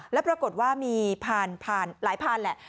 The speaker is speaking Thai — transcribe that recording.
แล้วปรากฏว่ามีผ่านหลายพานแหละ